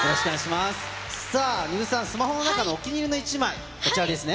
丹生さん、スマホの中のお気に入りの１枚、こちらですね。